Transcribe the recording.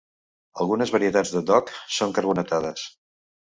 Algunes varietats de "doogh" són carbonatades.